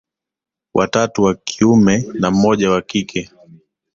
Watatu wa kiume na mmoja wa kike